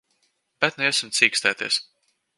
Bet nu iesim cīkstēties.